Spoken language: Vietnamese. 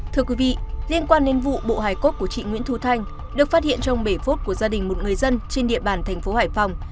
thưa quý vị liên quan đến vụ bộ hải cốt của chị nguyễn thu thanh được phát hiện trong bảy phút của gia đình một người dân trên địa bàn tp hải phòng